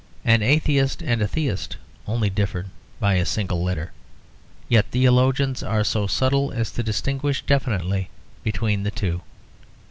An atheist and a theist only differ by a single letter; yet theologians are so subtle as to distinguish definitely between the two.